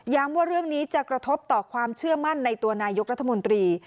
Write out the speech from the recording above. ว่าเรื่องนี้จะกระทบต่อความเชื่อมั่นในตัวนายกรัฐมนตรี